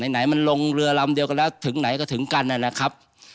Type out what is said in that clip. ไหนมันลงเรือลำเดียวกันแล้วถึงไหนก็ถึงกันนะครับ